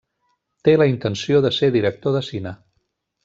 Té la intenció de ser director de cine.